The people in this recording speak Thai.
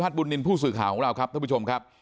บุญนินทร์ผู้สื่อข่าวของเราครับท่านผู้ชมครับ